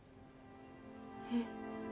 えっ？